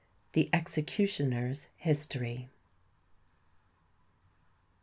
THE EXECUTIONER'S HISTORY.